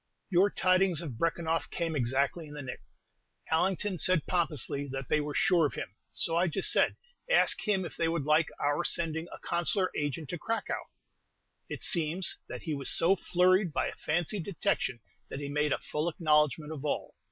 Your tidings of Brekenoff came exactly in the nick. Allington said pompously that they were sure of him; so I just said, "Ask him if they would like our sending a Consular Agent to Cracow?" It seems that he was so flurried by a fancied detection that he made a full acknowledgment of all.